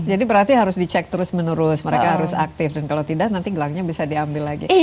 jadi berarti harus dicek terus menerus mereka harus aktif dan kalau tidak nanti gelangnya bisa diambil lagi